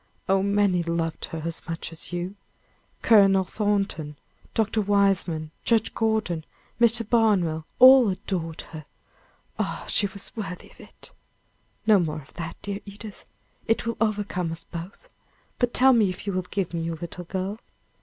Oh, many loved her as much as you! Colonel Thornton, Dr. Weismann, Judge Gordon, Mr. Barnwell, all adored her! Ah! she was worthy of it." "No more of that, dear Edith, it will overcome us both; but tell me if you will give me your little girl?"